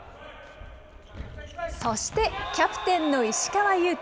そしてキャプテンの石川祐希。